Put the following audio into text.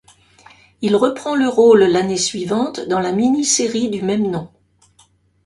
Il reprend le rôle l'année suivante dans la mini-série du même nom.